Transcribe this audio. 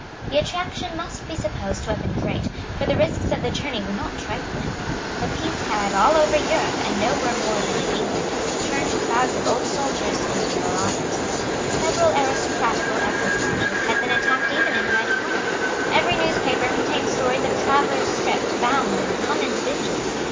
The attraction must be supposed to have been great; for the risks of the journey were not trifling. The peace had, all over Europe, and nowhere more than in England, turned crowds of old soldiers into marauders. Several aristocratical equipages had been attacked even in Hyde Park. Every newspaper contained stories of travellers stripped, bound and flung into ditches.